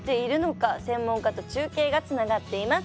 専門家と中継がつながっています。